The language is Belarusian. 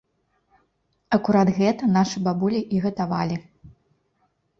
Акурат гэта нашы бабулі і гатавалі!